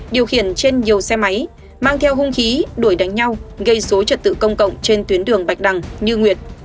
điều khiển trên nhiều xe máy mang theo hung khí đuổi đánh nhau gây số trật tự công cộng trên tuyến đường bạch đằng như nguyệt